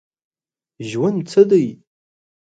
ژوند څه دی ؟